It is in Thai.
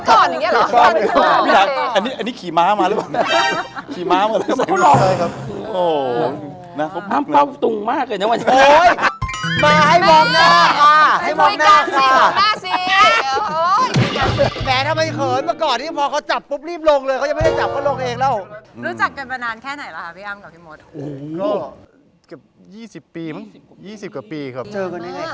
เตรียมไว้ก่อนอย่างเงี้ยหรอ